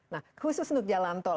nah khusus untuk jalan tol